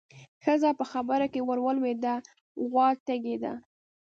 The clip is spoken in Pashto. ښځه په خبره کې ورولوېده: غوا تږې ده.